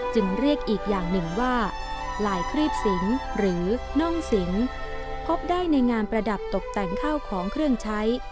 จึงเรียกอีกอย่างหนึ่งว่าลายครีบสิงหรือน่องสิงพบได้ในงานประดับตกแต่งข้าวของเครื่องใช้